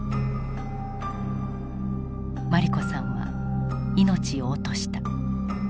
茉莉子さんは命を落とした。